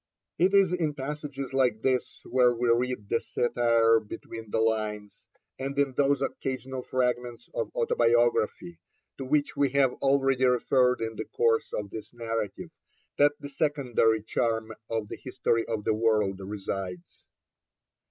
It is in passages like this, where we read the satire between the lines, and in those occasional fragments of autobiography to which we have already referred in the course of this narrative, that the secondary charm of the History of the World resides.